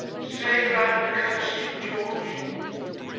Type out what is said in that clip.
'Say that I am not a curse to you, George!'